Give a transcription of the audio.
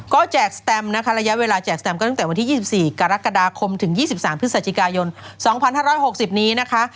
ก็แจกสแตมนะคะระยะเวลาแจกสแตมก็ตั้งแต่วันที่๒๔กรกฎาคมถึง๒๓พฤศจิกายน๒๕๖๐นี้นะคะ